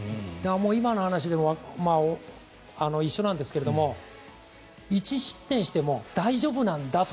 今の話と一緒なんですが１失点しても大丈夫なんだと。